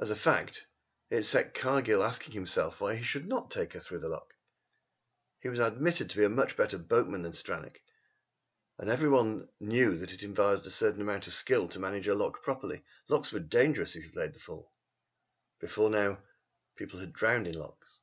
As a fact, it set Cargill asking himself why he should not take her through the lock. He was admitted to be a much better boatman than Stranack, and everyone knew that it required a certain amount of skill to manage a lock properly. Locks were dangerous if you played the fool. Before now people had been drowned in locks.